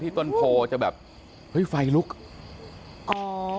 ฐานพระพุทธรูปทองคำ